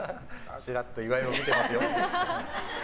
ちらっと岩井を見てます。